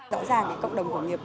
rõ ràng cộng đồng khởi nghiệp